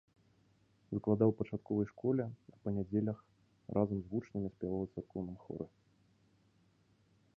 Выкладаў у пачатковай школе, а па нядзелях разам з вучнямі спяваў у царкоўным хоры.